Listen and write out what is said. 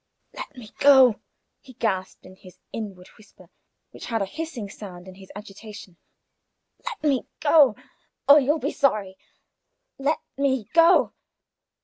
"Let me go," he gasped, in his inward whisper, which had a hissing sound in his agitation; "let me go, or you'll be sorry; let me go!"